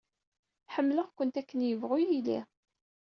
Ḥemmleɣ-kent akken yebɣu yili.